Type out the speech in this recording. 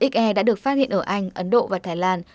xe đã được phát hiện ở anh ấn độ và thái lan